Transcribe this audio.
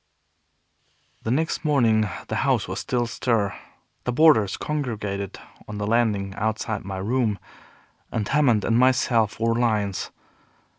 The next morning the house was all astir. The boarders congregated on the landing outside my room, and Hammond and myself were lions.